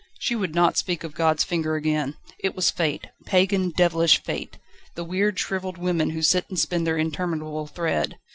She would not speak of God's finger again: it was Fate pagan, devilish Fate! the weird, shrivelled women who sit and spin their interminable thread.